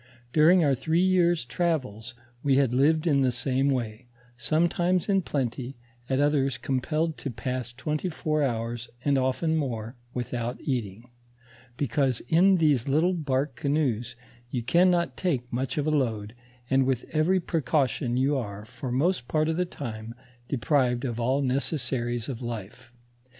During our three years' travels we had lived in the same way, sometimes in plenty, at others compelled to pass twenty four hours, and often more, without eating; because in these little bark canoes you can not take much of a load, and with every precaution you are, for most part of the time, deprived of all necessaries of life.